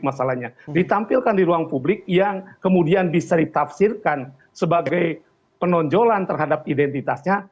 masalahnya ditampilkan di ruang publik yang kemudian bisa ditafsirkan sebagai penonjolan terhadap identitasnya